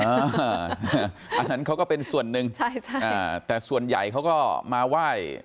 อันนั้นเขาก็เป็นส่วนหนึ่งใช่ใช่อ่าแต่ส่วนใหญ่เขาก็มาไหว้